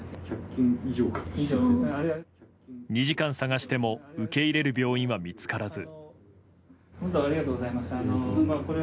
２時間探しても受け入れる病院は見つからず。